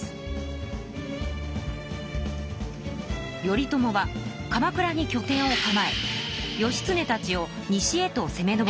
頼朝は鎌倉にきょ点を構え義経たちを西へとせめ上らせました。